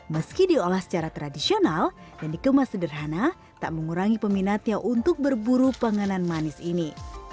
meski diolah secara tradisional dan dikemas sederhana tak mengurangi peminatnya untuk berburu panganan manis ini